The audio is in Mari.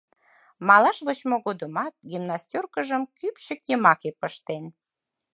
Малаш вочмо годымат гимнастеркыжым кӱпчык йымаке пыштен.